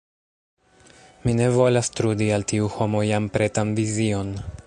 Mi ne volas trudi al tiu homo jam pretan vizion.